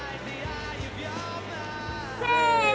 せの。